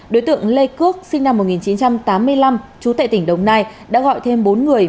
đối tượng lê cước sinh năm một nghìn chín trăm tám mươi năm trú tại tỉnh đồng nai đã gọi thêm bốn người